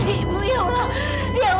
ibu ya allah